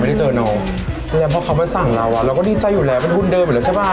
ได้เจอน้องแล้วพอเขามาสั่งเราอ่ะเราก็ดีใจอยู่แล้วเป็นทุนเดิมอยู่แล้วใช่ป่ะ